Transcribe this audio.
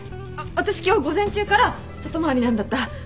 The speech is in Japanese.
私今日午前中から外回りなんだった。